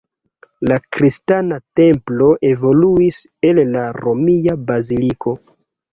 La kristana templo evoluis el la romia baziliko.